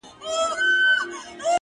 • تل به تر لمني هر یوسف زلیخا نه یسي ,